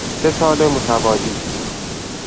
سه سال متوالی